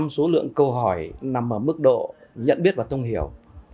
một mươi số lượng câu hỏi nằm ở mức độ nhận biết và thông hiểu